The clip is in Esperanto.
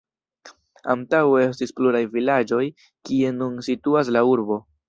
Antaŭe estis pluraj vilaĝoj kie nun situas la urbo.